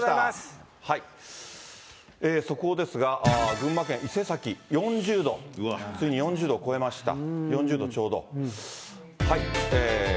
速報ですが、群馬県伊勢崎４０度、ついに４０度を超えました。